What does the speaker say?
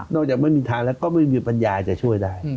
จากไม่มีทางแล้วก็ไม่มีปัญญาจะช่วยได้